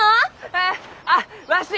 えっ？あっわし今！